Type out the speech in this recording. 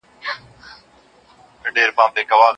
خصوصي سکتور خلکو ته د کار زمینه برابره کړه.